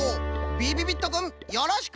びびびっとくんよろしく。